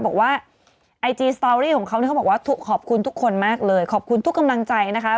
บอกว่าไอจีสตอรี่ของเขาเนี่ยเขาบอกว่าขอบคุณทุกคนมากเลยขอบคุณทุกกำลังใจนะคะ